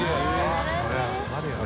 そりゃあ集まるよな。